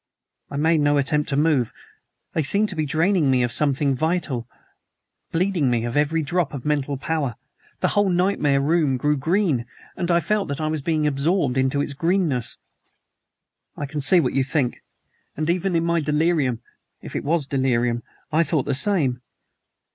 I made no attempt to move. They seemed to be draining me of something vital bleeding me of every drop of mental power. The whole nightmare room grew green, and I felt that I was being absorbed into its greenness. "I can see what you think. And even in my delirium if it was delirium I thought the same.